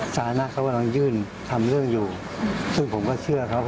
สาธารณะเขาต้องยื่นทำเรื่องอยู่ซึ่งผมก็เชื่อเขา